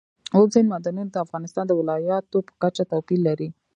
اوبزین معدنونه د افغانستان د ولایاتو په کچه توپیر لري.